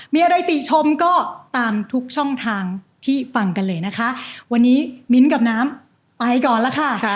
มีอะไรติชมก็ตามทุกช่องทางที่ฟังกันเลยนะคะวันนี้มิ้นท์กับน้ำไปก่อนแล้วค่ะ